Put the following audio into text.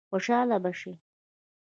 خوشاله به شي.